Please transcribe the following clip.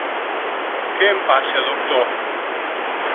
Què em passa, doctor?